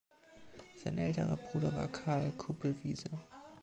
Sein älterer Bruder war Karl Kupelwieser.